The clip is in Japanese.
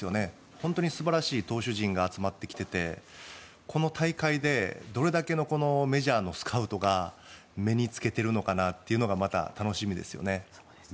本当に素晴らしい投手陣が集まってきていてこの大会でどれだけのメジャーのスカウトが目につけているのかなというのがまた楽しみですよね。